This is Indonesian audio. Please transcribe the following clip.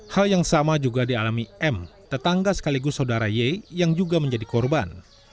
hal yang sama juga dialami m tetangga sekaligus saudara y yang juga menjadi korban